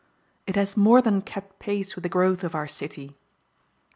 It has more than kept pace with the growth of our city.